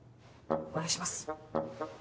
お願いします。